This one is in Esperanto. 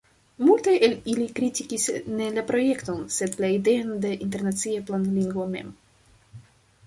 Multaj el ili kritikis ne la projekton, sed la ideon de internacia planlingvo mem.